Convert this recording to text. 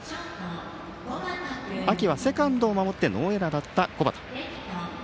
秋はセカンドを守ってノーエラーだった小畑。